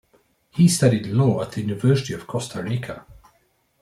He studied Law at the University of Costa Rica.